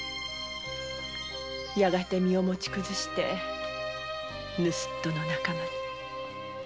やがて身を持ちくずして盗っ人の仲間に。